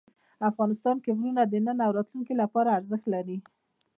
افغانستان کې غرونه د نن او راتلونکي لپاره ارزښت لري.